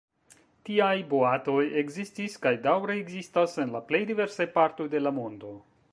Tiaj boatoj ekzistis kaj daŭre ekzistas en la plej diversaj partoj de la mondo.